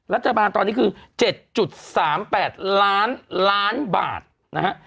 รัฐบาลตอนนี้คือ๗๓๘ล้านล้านบาทนะฮะ